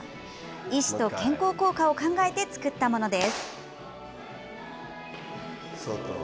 医師と、健康効果を考えて作ったものです。